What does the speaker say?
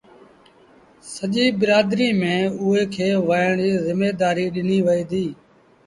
سڄيٚ برآدريٚ ميݩ اُيٚڻ ويهڻ ريٚ زميدآريٚ ڏنيٚ وهي ديٚ